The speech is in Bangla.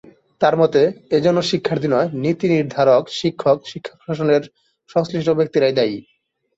তাঁর মতে, এজন্য শিক্ষার্থীরা নয়, নীতিনির্ধারক, শিক্ষক, শিক্ষা প্রশাসনের সংশ্লিষ্ট ব্যক্তিরাই দায়ী।